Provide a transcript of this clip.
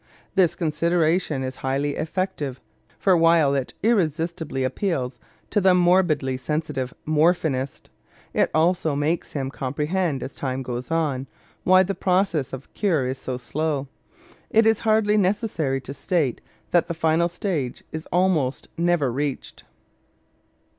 This consideration is highly effective, for while it irresistibly appeals to the morbidly sensitive morphinist, it also makes him comprehend, as time goes on, why the process of cure is so slow. It is hardly necessary to state that the final stage is almost never reached.